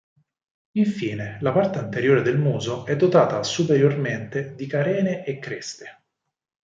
Infine, la parte anteriore del muso è dotata superiormente di carene e creste.